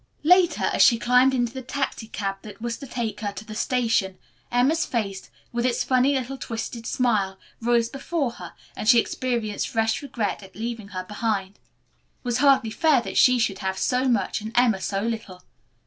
Later as she climbed into the taxicab that was to take her to the station, Emma's face, with its funny little twisted smile, rose before her, and she experienced fresh regret at leaving her behind. It was hardly fair that she should have so much and Emma so little.